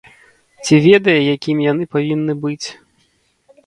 Ці ведае, якімі яны павінны быць.